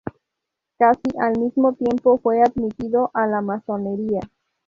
Casi al mismo tiempo fue admitido a la masonería.